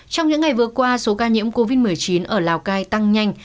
trong những ngày vừa qua số ca nhiễm covid một mươi chín ở lào cai tăng nhanh